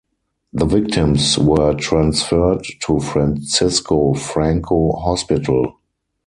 The victims were transferred to Francisco Franco Hospital.